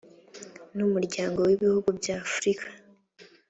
n umuryango w ibihugu by afrika